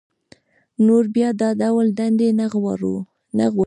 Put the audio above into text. نور بيا دا ډول دندې نه غواړي